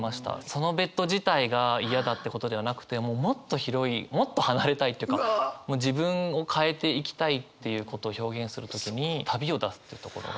そのベッド自体が嫌だってことではなくてもうもっと広いもっと離れたいっていうかもう自分を変えていきたいっていうことを表現する時に旅を出すっていうところが。